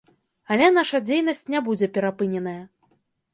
Але наша дзейнасць не будзе перапыненая.